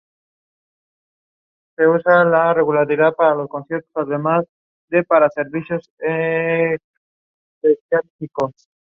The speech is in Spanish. Jugó durante dos temporadas con los "Red Storm" de la Universidad de St.